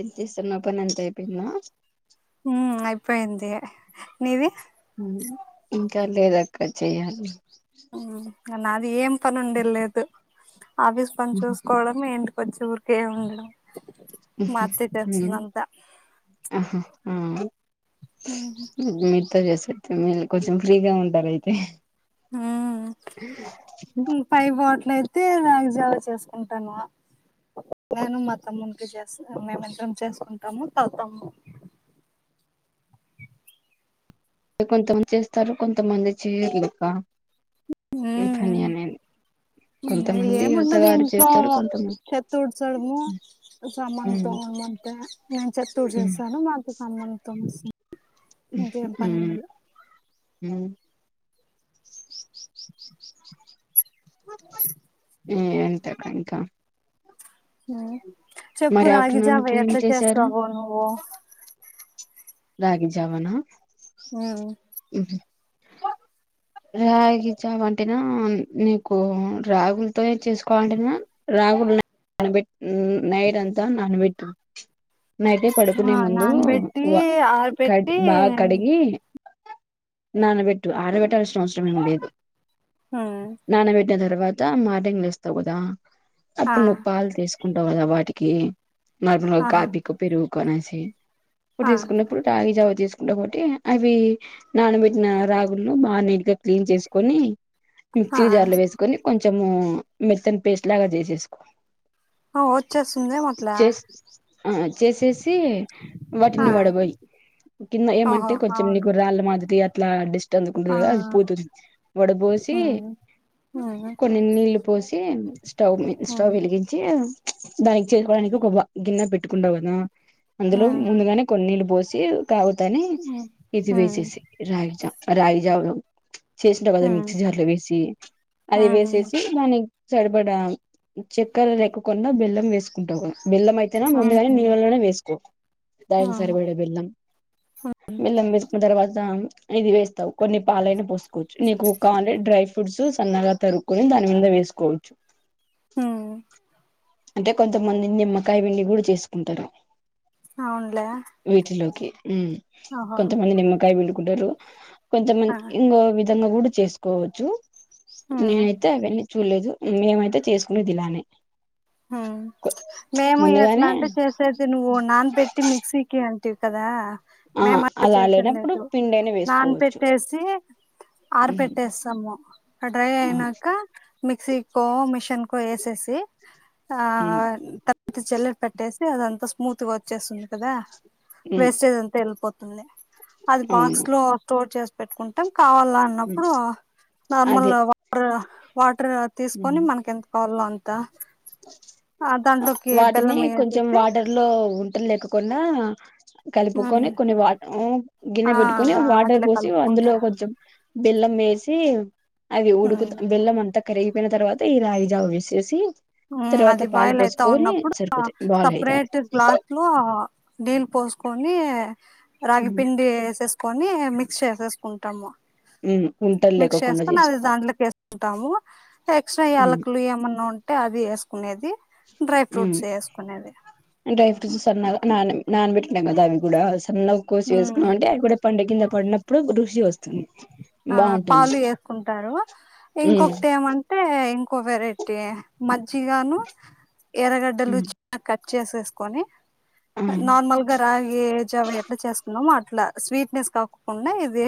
ఏం చేస్తున్నావ్ పని అంతా అయిపోయింద. ఉ అయిపోయింది నీది హ ఇంకా లేదక్క చెయాలి అ నాది ఏం పని ఉండే లేదు ఆఫీస్ పనిచూసుకోవడం ఏంటి కొంచ ఊరికేఉంది ఆహా ఆ వే [unintelligible] కొంచెం ఫ్రీగా ఉంటారు అయితే. ఆ పైబ నైతే రాగి జావా చేసుకుంటాన నేను మా తమ్ముకి చేస్త మేమిద్దరం చేసుకుంటాము తతమ్ము. కొంతమంది చేస్తారు కొంతమంది చేయరూ పా కొంతమంది ఏముండదు యువతగారు ఇంట్లో చేస్తారు కొంతమంది చెత్త ఊడ్చడము, సంమానులు తొండం అంటే నేను చెత్త వచ్చేస్తాను మా అత్త సామాన్లు తోమేస్తా. ఊహూ ఉ అు ఉ ఎంత బంకా చెప్పుూ మరి ఆఫ్టర్నూన్ రాగిజవ కి ఏం ఎట్లా చేశారు చేస్తవో నువు రాగి జావనా ఉ రాగి చావ అంటేనా నీకు రాగులతో చేసుకోవాలంటేనా రాగులునానాబెట్ నైట్ అంతా నానబెట్. నైట్ ఆ పడుకునే ముందు నానబెట్టి వ కడి ఆరబెట్టి బాగా కడిగి నాన్నబెట్టు ఆరబెట్టాల్సిన అవసరమేం లేదు. ఉమ్. నానబెట్టిన తరువాత తా మార్నింగ్ లేస్తావ్ కదా ఆ అప్పుడు నువ్వు పాలు తీసు కుంటావు కదా వాటికి నర్మల్ గా ఒక ఆహా కాఫీ కో పెరుగు కొనేసి ఆ రాగి జావ తీసుకుంటావ్ కాబట్టి అవి నానబెట్టిన రాగులను బా నీట్ గా క్లీన్ చేసుకొని. ఆ మిక్సీ జార్ లో వేసుకొని కొంచెం చెము మెత్తని పేస్ట్ లాగా చేసేసుకో. ఆ వచ్చేస్తుందేమో అట్లా చేస్ ఆ చేసేసి ఆ వాటిని వడవో వై కింద ఓహో ఏమంటే కొంచెం అవును నీకు రాళ్ళు మాదిరి ట్లా డిస్ ఆ [unintelligible] పోతది వడపోసి ఉమ్ ఉమ్ కొన్ని నీళ్లు పోసి స్టవ్ మీ స్టవ్ ఉమ్ వెలిగించి దయచేసి దానికి ఒక గిన్నె పెట్టుకుంట వదినా అందులో ఉమ్ ముందుగానే నీళ్ళు పోసి కాగుతానే ఉమ్ ఇది ఉమ్ వేసేసేయ్ రాగి జ రాగి జావలో చేసినవ్ కదా మిక్సీ జార్ లో వేసి అది ఉమ్ వేసేసి దాని సరిపడా చక్కెర లేెకకుండా బెల్లం వేసుకుంటావుగా బెల్లం అయితేనో ఉమ్ ఉమ్ ముందుగల ఉమ్, నీళ్ళలోనే వేసుకో. దానికి అవును సరిపడా బెల్లం బెల్లం వేస్ దాని తర్వాత ఇది వేస్తావ్ కొన్ని పాలైన పోసుకోవచ్చు నీకు కావాలంటే డ్రై ఫ్రూట్స్ సన్నగా తరుక్కోని దాని మీద వేసుకోవచ్చు. ఉమ్ అంటే కొంతమంది నిమ్మకాయ పిండి కూడా చేసుకుంటరు. అవునులే ఉమ్ ఓహో కొంతమంది నిమ్మకాయ పిండు కుంటారు కొంతమంది ఆ ఇంగువ ఇవి విధంగా కూడా చేసుకోవచ్చు. ఉమ్ నేనైతే అవన్నీ చూడలేదు మినిమం అయితే చేసుకునేది ఇలానే. హా మేము ఎట్లా ముందుగానే అంటే చేసేది నువ్వున్నాన్ పెట్టి మిక్సీకి అన్ టి కదా? ఆ మేం అలా చేయకుండే లేనప్పుడు ఎప్పుడూ పిండైనా నాన్ వేసుకోవచ్చు పెట్టేసి ఆర ఉహు. పెట్టేస్తాము, ఆది డ్రై ఆ అయినాక మిక్సీ కో మిషన్ కో ఎస్ఎస్సి ఆ హ్మ్. తంత చెల్లర్ పట్టేస్ అదంతా స్మూత్ గా వచ్చేస్తుంది కదా? హ్మ్. వేస్టేజ్ అంత వెళ్ళిపో [unintelligible] అది బాక్స్ అవును లో స్టోర్ చేస్త పెట్టుకుంటాం కావాలా హ్మ్. అన్నప్పుడు నార్మల్ అదే వార్ పాట్ హ్మ్. తీసుకొని మనకి ఎంత కావాలో అ అంత ఆ దాంట్లోకి వాటిని బెల్లం కొంచెం వేసేసి వాటర్ లో ఉంటలేక కొన్ని ఉమ్ కలుపుకొని కొన్ని వా ఆ గిన్నె పెట్టుకొని ఆ వాటర్ అట్లే పోసి కలుపుకుంటా అందులో కొంచెం బెల్లం మే సి ఆది ఉడుకు ఉమ్ బెల్లం అంతా కరిగిపోయిన తర్వాత ఈ రాయిజావు వేసేసి తర్వాత అది పాలు బాయిల అయితా పోసుకొని ఉన్నప్పుడు సరిపోతాయి బావులు అయితాయి సపరేట్ క్లాత లో డీల్ పోసుకొని రాగిపిండి వేసుకుని కని మిక్స్ చేసేసుకుంటాము ఉంటలు మిక్స్ లేకోకుండా చేస్తొని అది చేసుకోవాలి దాంట్లోకి వేసుంటాము ఎక్సట్రా హ్మ్. యాలకులు ఏమన్నా ఉంట అంటే అది కునేది డ్రై ఫ్రూట్స్ వేసుకునేది నానబెట్టినవి కదా అది కూడా చిన్న కోసి ఉమ్ వేసుకున్నా అంటే అవి కూడా పండు కింద పడినప్పుడు రుషి వస్తుంది ఆ బాగుంటుంది పాలు వేసుకుంటారు ఉమ్ ఇంకొకటి ఏమంటే ఇం ఇంకో వెరైటీ మజ్జిగాను ఎరగడ్డలు ఉమ్ చ చేసేసుకొని నార్మల్ గా రాగి జవ ఎట్లా చేసుకున్నాం మాట ఇట్లా స్వీట్నెస్ కాకుండా ఇది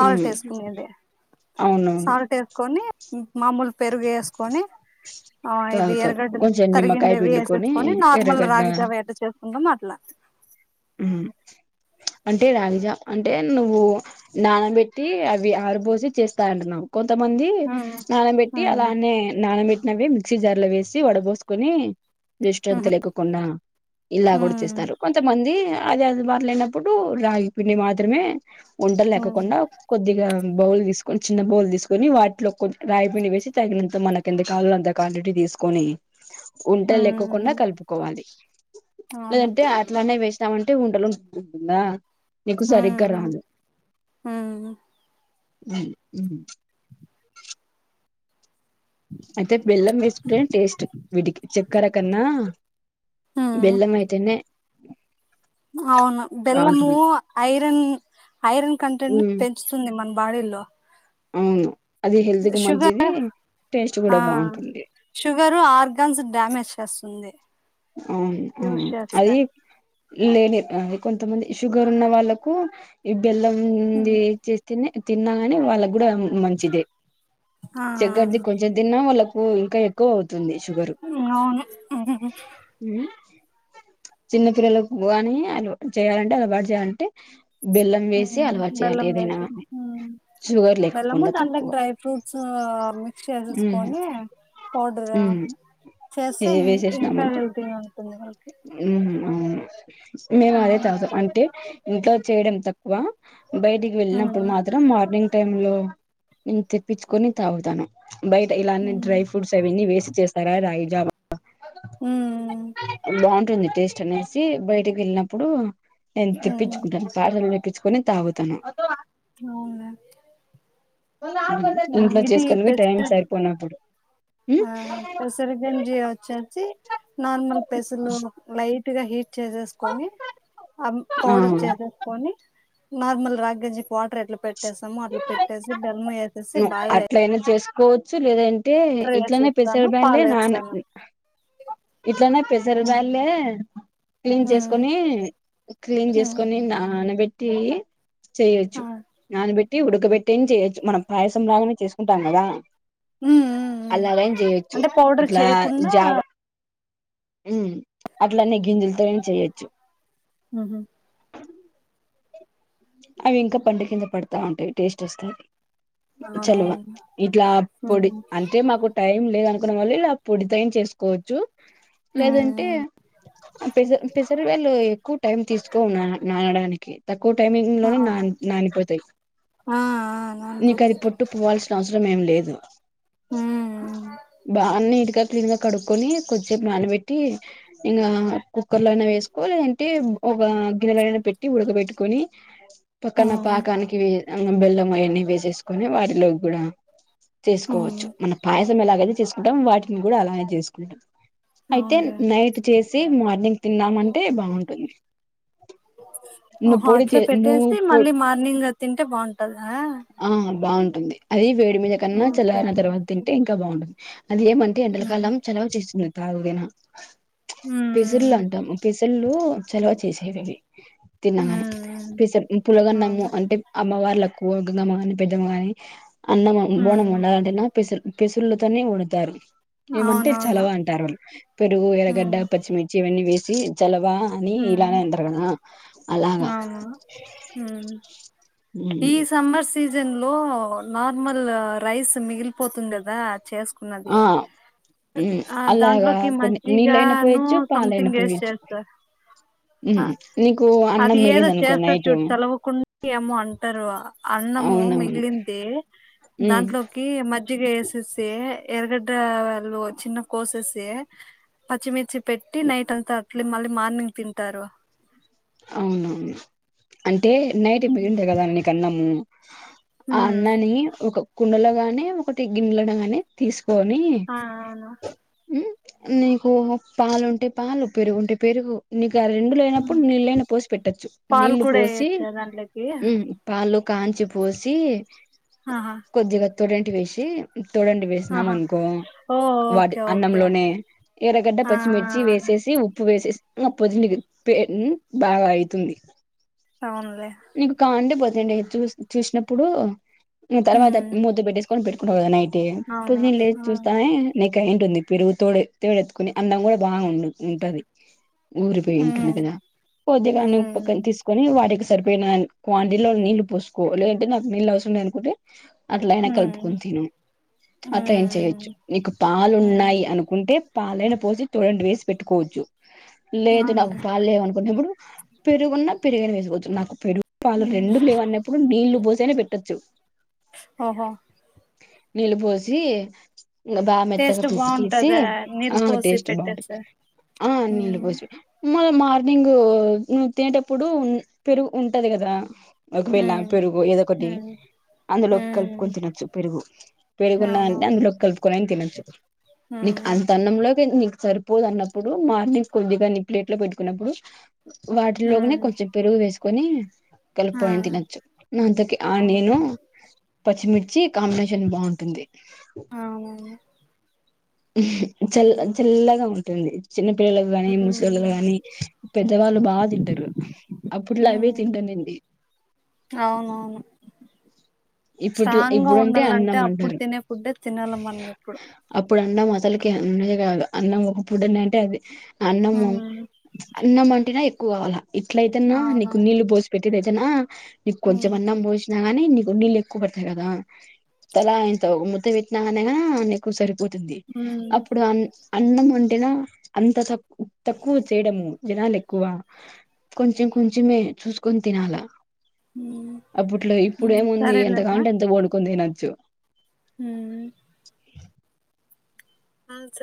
అవు హేదగ సాల్ట్ వేసుకుని మామూలు పెరుగు వేసుకొని ఆ ఇది తాగుతారు ఎరగడ్డలు కొంచెం నిమ్మకాయ తరిగిండేవి పిండుకొని వేసేసుకొని నార్మల్ ఎర్రగడ్డ రాగిజావి ఎట్లా చేసుకుంటాం అట్లా ఉమ్ అంటే రాగిజా అంటే నువ్వు నానబెట్టి అవి ఆరిబోసి చేస్తా అంటున్నావ్. కొంతమంది ఉమ్ నానబెట్టి అ ఉమ్ లావన్నే నానబెట్ మర్రి మిక్సీ జార్ లో వేసి వడబోసుకొని దిస్ట్ అంతా ఉహు లేకొకుండా ఇలా కూడా ఉమ్ చేస్తారు. కొంతమంది అదే అది మరిలేనప్పుడు రాగి పిండి మాత్రమే. ఉండల్ ఉమ్ ల్యాకోకుండా కొద్దిగా బౌల్ తీసుకొని చిన్న బౌల్ తీసుకొని వాటిలో కొ రాగిపిండి వేసి తగినంత మనకి ఎంత కావల్లో అంత క్వాంటిటి తీసుకొని ఉంటల్ లేకోకుండా ఉమ్ కలుపుకోవాలి. అవును లేదంటే అట్లానే వేస్ స్తామంటే ఉంటలుంట ఉంటుందా నీకు సరిగ్గా హఆఆ రాదు హఆ ఉం ఉ అయితే బెల్లం వేసుకుంటె టేస్ట్ వీటికి చెక్కర కన్నా ఉమ్ బెల్లం అయితేనే అవును బెల్లము బాగుంటుంది ఐరన్ ఐరన్ కంటెంట్ ని పెంచుతుంది మన్ బాడీలో అవును అది హెల్త్ కు మంచిది షుగర్ టేస్ట్ ఆ కూడా బాగుంటుంది షుగరు ఆర్గన్స్ డ్యామేజ్ చేస్ తుంది అ అది లేని అది కొంతమంది షుగర్ ఉన్న వాళ్ళకు ఇం బెల్లము ఉమ్, ఏసి చేస్తేనె తిన్నాగాని వాళ్ళ కూడా మంచిదే ఆ చెక్కర్ది కొంచెం తిన్నా వాళ్ళక్ ఓ ఇంకా ఎక్కువ అవు ఉ అవును ఇది గు ఉ చిన్న పిల్లలకు కాని అలవా చేయాలంటే అలవాటు చేయాలంటే బెల్లం హు వేసి అలవాటు చేయాలి బెల్లం ఏదైనా వేసె కానీ హు షుగర్ బెల్లము లేకోకుండా దానిమీద తక్కువ డ్రై ఫ్రూట్స్ మిక్స్ ఉమ్ చేసేసుకొని పౌడర్ ఉమ్ చేస్తే ఏ ఇం ఇం హెల్తీ ఉంటుంది వాళ్కి. ఉ అవును మేము అదే తాగుతాం అంటే ఇంట్లో చేయడం తక్కువ బయటికి వెళ్ళినప్పుడు ఉమ్ మాత్రం మార్నింగ్ టై లో నేను తెప్పించుకొని తాగుతన్నాం బయట ఇలాంనీ డ్రై ఉమ్ ఫ్రూట్స్ అవన్నీ వేసి చేస్తార రాయి జావా ఉమ్. బన్ ఉంటుంది టేస్ట్ అనేసి బయటకి వెళ్ళినప్పుడు నేను హ్మ్ తెప్పించుకును పార్లు తెప్పించ కొని తాగుతను అవునా ఉమ్, ఇంట్లో ఇది చేసుకోనివి టైమ్ పెసర సరిపోయినప్పుడు ఆ కసర గంజి వచ్చ సి నార్మల్ పసలు నైట్ ట్ గా హీట్ చేసేసుకొని ఆ పౌడర్ ఉమ్ ఆ చేసేసుకొని నార్మల్ రాగేజీకి పటర్ ఎట్లా పెట్టేసామో అట్లా పెట్టేసి బెల్లం వేసేసి ఉమ్ బాయిల్ అట్లయినా చేసు కోవాచు లేద అంటే వాటర్ ఇట్లనే పెసర వేసేస్తాను బయలే నా పాలేస్తాను ఇట్లనే పెసర హ్మ్ బ్యాలె క్లీన్ చేసుకొని క్లీన్ హ్మ్ చేసుకొని నా ఆన వెట్టి ఆ చేయవచ్చును నానపెట్టి ఉడకబెట్టటిని చేయొచ్చు మనం పాయసం లాగానే చేసుకుంటాం కదా హ్మ్ హ్మ్ హ్మ్ అలాగం చేయొచ్చు అంటే పౌడర్ ఇట్లా చేయకుండా జావ ఉ అట్లనే గింజలతో చేయొచ్చు ఉహుమ్ అవి ఇంకా పండు కింద పడతా ఉంటాయి టేస్ట్ వస్తయి చలమా అవునవును ఇట్లా అప్పుడు హ్మ్ అంటే మాకు టైం లేదనుకో వల్ల ఇలా అప్పుడు డిజైన్ చేసుకోవచ్చు లేదంటే హ్మ్ పెస పెసరివాళ్ళు ఎక్కువ టైం తీసుకోన్న నానడానికి ఓకే తక్కువ టైమ్ లోనే నా అవును నానిపోతాయి ఆ ఆ నీకు అది నానబోతే పొట్టు పోవాల్సిన అవస అవసర ఏం లేదు ఉమ్ బన్ని ఇకా క్లీన్ గా కడుకొని కొద్దిసేపు నానబెట్టి ఇంకా కుక్కర్ లో అయినా వేసుకో లేదంటే గిన్నెలనా పెట్టి మూత బెట్టుకొని పక్కన ఉమ్ పాకనికి వ బెల్లం అవ్వని వేసేసుకోని వాటిలో కూడా ఉమ్ చేసుకోవచ్చు మన పాయస ఎలాగైతే చేసుకుంటాంమో వాటిని కూడా అలానే చేసుకుంటాం అయితే అవునులే నైట్ చేసి సి మార్నింగ్ తిన్నామంటే బాగుంటుంది నువ్ పొడి హాట్ లో చే నువ్వు పెట్టేసి పొ మళ్ళీ మార్నింగ్ తింటే బాగుంటదా ఆ బాగుంటుంది అది వేడి మిదకన్న ఓకే చల్లారిన తర్వాత తింటే అంటే ఇంకా బాగుంటది అది ఏమంటే ఉమ్ ఎండలకాలం చెలవు చేస్తున్నది తాగుదేనా పసిర్లా ఉంటాం పసి చెల్లు సెలవ చేసేవివి హ పులగన్నాము అంటే అమ్మవార్క్కు గంగమ్మ గాని పెద్దమ్మ గాని అన్నమ్ బోనం ఉమ్ వండాలంటి అంట పసి పెసుళ్లతోనే వడుతారు ఏమంటే అవునవును చలవ అంటారు వాళ్ళు పెరుగు ఎరగడ్డ ఉమ్ పచ్చిమిర్చి ఇవన్నీ వేసి ఇ చలవ అని ఉమ్ ఇలానే అంటారు కదా అలాగా అ ఈ సమర్స సీజన్ లో నార్మల్ రైస్ మిగిలిపోతుంది కదా చేసుకున్నది ఆ మ్మ్ ఆ అలాగా దాంట్లోకి కొన్ని నీళ్ళైనా మజ్జిగాను పోయొచ్చు పాలైనా సంథింగ్ వేసి పోయొచ్చు చేస్తారు మ్మ్ నీకు అది అన్నం ఏదో మిగిలిందనుకో చేస్తారు నైటు చూడు చలవకుం ఏమోంట అన్నము అవునవును మిగిలింది మ్మ్ దాంట్లోకి మజ్జిగ వేసేస్తే ఎరగడ్డ వాళ్ళు చిన్న కోసేసి పచ్చిమిర్చి పెట్టి నైట్ అంతా అట్ మళ్ళీ మార్నింగ్ తింటారు అవునవును అంటే నైట్ మిగిండే కదాని కన్నము ఆ ఉమ్ అన్నని ఒక కుండలోగానే ఒకటి గినెలోనగానే తీసుకు కొనీ ఆ అవును ఉ నీకు పాలంటే పాలు పెరుగుంటే పెరుగు నీకు ఇగ రెండు లేనప్పుడు ఉమ్. నీలే నీ పోసి పెట్టచ్చు పాలు నీళ్లు కూడా పోసి వేయొచ్చా దాంట్లోకి ఉ పాలు కాంచి పోసి ఆహా తుడంటి వేసి తోడండి వేసినాం ఆహా అనుకో ఓ వాటి ఓకే ఓకే అన్నంలోనే ఎర్రగడ్డ ఆ పచ్చిమిర్చి వేసేసి ఉప్పు వేసేసి ఆ పోదుండదు పె ఉ బాగా అయితుంది అవునులే ఇంకా వందదది ఏండి చూసి చూసినప్పుడు తర్వాత ఉమ్, ముద్ బట్ తీస్కం బ ఓ నైట్ టె అవును పొజీ లే ఆ, చూస్తా నెక్ ఇకా ఏంటుంది పెరుగు తోడ తోడెత్తుకొని అన్నం కూడా బాగా ఉం ఉంటది ఊరి పోయి ఉంటుంది ఉమ్, కదా ఉమ్, ఉద్యోగాన్ని ఉమ్, టక్ న్ తీసుకొని ఇగ వాటికి సరిపోయిన క్వాంటిలో నీళ్ళు పోసుకోవాలింటే నాకు నీళ్ళు అవసరం లే అనుకుంటే అట్ల అయినా ఉమ్, కలుపుకుని తిను అట్ల ఏం చేయొచ్చు ఉమ్, నీకు పాలు ఉమ్. ఉన్నాయి అనుకుంటే పాలైన పోసి తుడండి వేసి పెట్టుకోవచ్చు లేదు నాకు అవునులే పాలేవను పెరుగున్న పెరు వేసుకోవచ్చు నాకు పెరుగు వాళ్ళు ఉమ్ రెండు లేవన్నప్పుడు నీళ్లు పోసేనే పెట్టచ్చు ఓహో నీలుపోసి ఇం బాగా మెత్తగా టేస్ట్ పీసికేసి బాగుంటదా ఆ నీళ్ళు పోసి టేస్ట్ బాగుంటది పెట్టేస్తే ఆ నీళ్ళ ఉమ్ పోసుడు నువ్వే మారు ఈవెనింగ్ నువ్వు తినేటప్పుడు పెరుగు ఉంటది కదా ఒకవేళ ఉమ్ పెరుగు ఏదో ఒకటి ఉమ్ అందులోకి ఉమ్ కలుపుకొని తినొచ్చు పెరుగు పెరుగున్నదే అవునవును అందులోకి కలుపుకొనైన తినొచ్చు నీకు ఉమ్ అంత అన్నంలోకి నీకు సరిపోదు అన్నప్పుడు మార్నింగ్ కొద్దిగా నీ ప్లేట్లో పెట్టుకున్నప్పుడు వాటి లోనే ఉమ్ కొంచం పేరుగు వేస్ కొని ఆ కలుపుకోని తినచ్చు నా అంతక ఆ నేను ఓకే పచ్చిమిర్చి కాంబినేషన్ బాగుంటుంది. అవునవును. చెల్ ఉమ్ చెల్లగా ఉంటూ ంది. చిన్నపిల్లలకు గానీ ముసుళ్లో గానీ పెద్దవాళ్ళు బాగా తింటారు అప్పుట్లా అవే ఉమ్ తింటనండి. అవునవును ఇప్పుట్ స్ట్రాంగ్ గా ఇప్పుడుంటే ఉండాలంటే అన్నాం అప్పుడు అంటారు తినే ఫుడ్డే తినాలి మనం ఇప్పుడు అప్పుడు అన్నం అస అసలకి ఉండది కాదు అన్నం ఒక పుటన్న అంటే అది అన్నము ఉమ్ అన్నమంటిన కు అవలా ఇట్ల అయితేన్నా నీకు అవునవును నీళ్లు పోసి పెట్టేదయి నా ఇ కొంచం ఉమ్ అన్నం పోసిన అని నీకు నిల్లే క్కుబడతాయి కదా తల ఇంత ముద్ద వేట్న అనేగ నీకు సరిపో పోతుంది ఉమ్ అప్పుడు అన్ అన్నం వంటేనా అంత తక్కు తక్కువ చేయడము జనాలు ఎక్కువ కొంచెం కొంచెమే చూసుకొని తినాలా ఉమ్ అప్పుట్లో ఇప్పుడు ఉమ్ ఏముంది ఎంత సరేలేమ్మా కాంట ఎంత వండుకుని తినండి. చ్చ్ ఉమ్ ఆ సర్